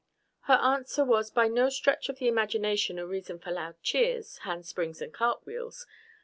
Her answer was by no stretch of the imagination a reason for loud cheers, handsprings and cartwheels.